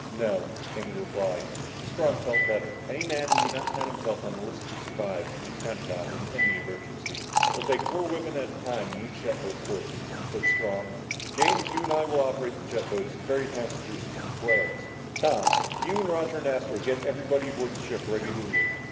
"No," came the reply. Strong felt better. Any man who would not count himself on a list to survive could be counted on in any emergency. "We'll take four women at a time in each jet boat first," said Strong. "James, you and I will operate the jet boats and ferry the passengers to the Polaris. Tom, you and Roger and Astro get everybody aboard the ship ready to leave."